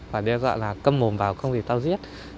và đe dọa là cầm mồm vào không thì tao giết